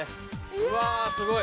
うわすごい。